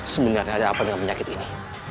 sebenarnya ada apa dengan penyakit ini